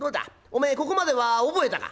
おめえここまでは覚えたか？」。